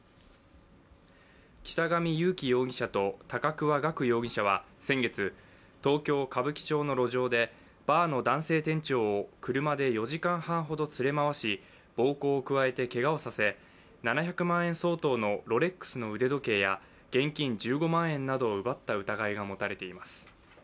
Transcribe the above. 北上優樹容疑者と高桑岳容疑者は先月、東京・歌舞伎町の路上でバーの男性店長を車で４時間半ほど連れ回し暴行を加えてけがをさせ７００万円相当のロレックスの腕時計や現金１５万円などを奪った疑いがもたれています。